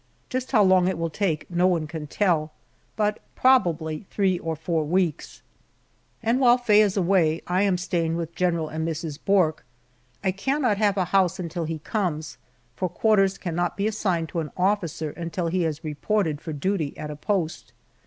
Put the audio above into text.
Just how long it will take no one can tell, but probably three or four weeks. And while Faye is away I am staying with General and Mrs. Bourke. I cannot have a house until he comes, for quarters cannot be assigned to an officer until he has reported for duty at a post.